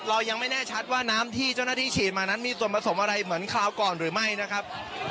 เรายังไม่แน่ชัดว่าน้ำที่เจ้าหน้าที่ฉีดมานั้นมีส่วนผสมอะไรเหมือนคราวก่อนหรือไม่นะครับ